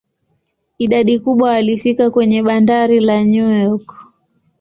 Idadi kubwa walifika kwenye bandari la New York.